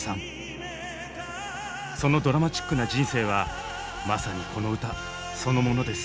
そのドラマチックな人生はまさにこの歌そのものです。